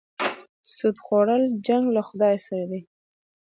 سود خوړل جنګ له خدای سره دی.